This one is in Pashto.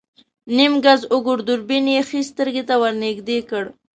نيم ګز اوږد دوربين يې ښی سترګې ته ور نږدې کړ.